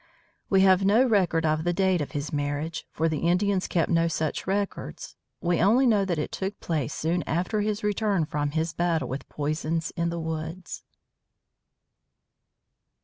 We have no record of the date of his marriage, for the Indians kept no such records. We only know that it took place soon after his return from his battle with poisons in the woods.